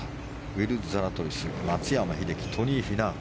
ウィル・ザラトリス松山英樹、トニー・フィナウ。